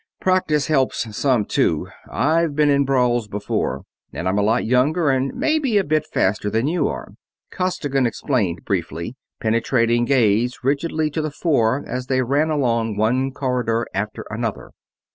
"Practice helps some, too I've been in brawls before, and I'm a lot younger and maybe a bit faster than you are," Costigan explained briefly, penetrant gaze rigidly to the fore as they ran along one corridor after another.